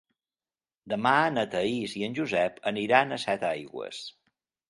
Demà na Thaís i en Josep aniran a Setaigües.